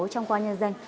trong quan nhân dân